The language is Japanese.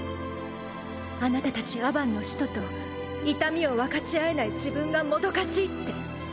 あなたたちアバンの使徒と痛みを分かち合えない自分がもどかしいって。